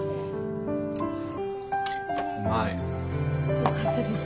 うまい。よかったです。